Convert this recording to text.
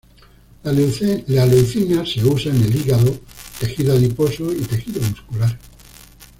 La leucina se usa en el hígado, tejido adiposo, y tejido muscular.